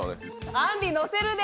あんり、のせるで！